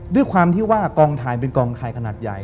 ด้วยความที่ว่ากองถ่ายเป็นกองไทยขนาดใหญ่